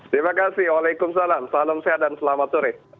terima kasih waalaikumsalam salam sehat dan selamat sore